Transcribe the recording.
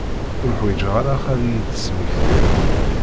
Ur ḥwiǧeɣ ara ad iyi-d-tesmektiḍ.